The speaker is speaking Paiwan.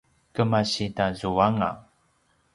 kemasi tazuanga